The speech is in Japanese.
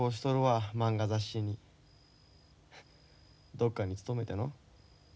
どっかに勤めての。